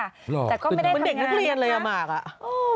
หรอเป็นเด็กนักเรียนเลยอะหมากอ่ะแต่ก็ไม่ได้ทำงานอยู่ค่ะ